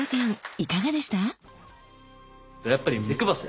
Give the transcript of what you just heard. いかがでした？